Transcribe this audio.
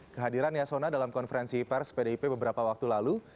kehadiran yasona dalam konferensi pers pdip beberapa waktu lalu